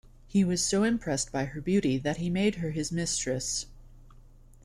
He was so impressed by her beauty that he made her his mistress.